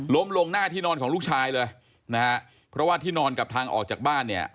ลงหน้าที่นอนของลูกชายเลยนะฮะเพราะว่าที่นอนกับทางออกจากบ้านเนี่ย